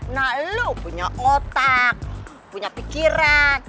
nah lo punya otak punya pikiran